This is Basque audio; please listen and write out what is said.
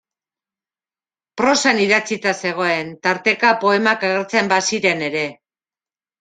Prosan idatzita zegoen, tarteka poemak agertzen baziren ere.